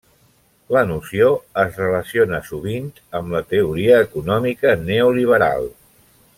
La noció es relaciona sovint amb la teoria econòmica neoliberal.